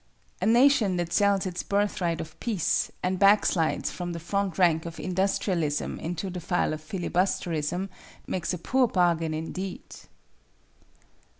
A nation that sells its birthright of peace, and backslides from the front rank of Industrialism into the file of Filibusterism, makes a poor bargain indeed!